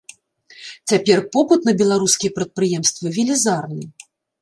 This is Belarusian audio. Цяпер попыт на беларускія прадпрыемствы велізарны.